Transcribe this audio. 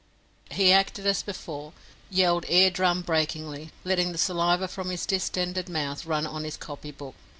He acted as before yelled ear drum breakingly, letting the saliva from his distended mouth run on his copy book.